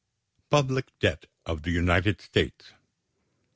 =Public Debt of the United States.